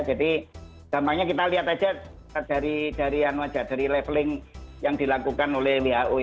jadi gampangnya kita lihat saja dari leveling yang dilakukan oleh who